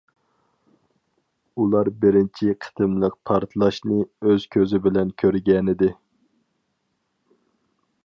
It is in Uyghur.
ئۇلار بىرىنچى قېتىملىق پارتلاشنى ئۆز كۆزى بىلەن كۆرگەنىدى.